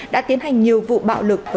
đã tiến hành nhiều vụ bạo lực